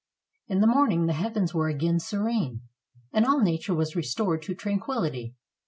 In the morning the heavens were again serene, and all nature was restored to tranquillity.